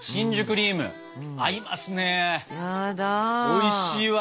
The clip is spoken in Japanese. おいしいわ。